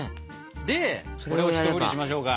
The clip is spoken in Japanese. でこれを１振りしましょうか。